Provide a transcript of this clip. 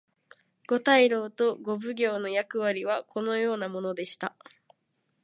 五大老と五奉行の役割はこのようなものでした。